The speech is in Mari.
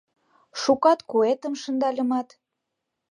Шукат куэтым шындальымат -